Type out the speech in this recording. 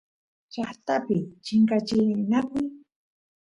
llaqtapi chinkachinakuy